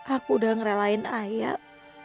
aku udah ngeralain ayah